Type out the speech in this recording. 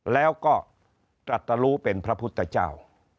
แล้วก็ตรัสรู้เป็นพระพุทธเจ้า